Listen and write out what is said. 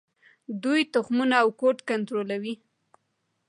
دوی تخمونه او کود کنټرولوي.